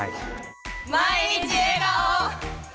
「毎日笑顔」。